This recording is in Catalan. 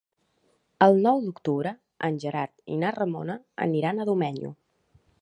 El nou d'octubre en Gerard i na Ramona aniran a Domenyo.